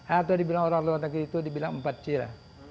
atau dibilang orang luar negeri itu dibilang empat cira